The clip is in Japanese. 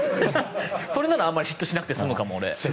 それならあまり嫉妬しなくて済むかも。